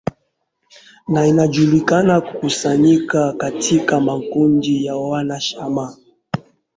na inajulikana kukusanyika katika makundi ya wanachama